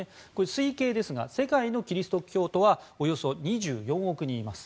推計ですが世界のキリスト教徒はおよそ２４億人います。